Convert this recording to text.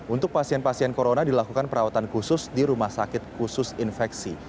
untuk pasien pasien corona dilakukan perawatan khusus di rumah sakit khusus infeksi